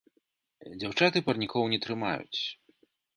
Дзяўчаты парнікоў не трымаюць.